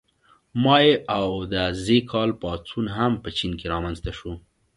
مائو او د ز کال پاڅون هم په چین کې رامنځته شو.